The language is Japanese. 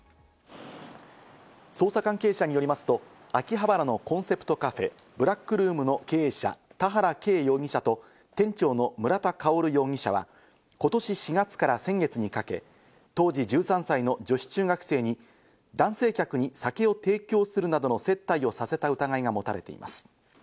捜査関係者によりますと、秋葉原のコンセプトカフェｂｌａｃｋｒｏｏｍの経営者・田原圭容疑者と店長の村田香容疑者は今年４月から先月にかけ、当時１３歳の女子中学生に、男性客に酒を提供するなどの接待をさせた疑いが持たれています。